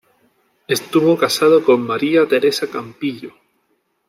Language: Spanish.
Estuvo casado con María Teresa Campillo.